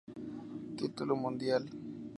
Título Mundial.